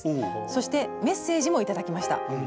そしてメッセージも頂きました。